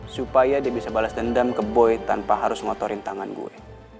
supaya dia bisa balas dendam ke boy tanpa harus ngotorin tangan gue